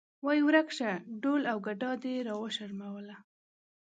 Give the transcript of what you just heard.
وایې ورک شه ډول او ګډا دې راوشرموله.